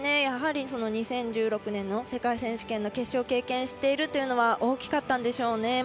やはり２０１６年の世界選手権の決勝を経験しているというのは大きかったんでしょうね。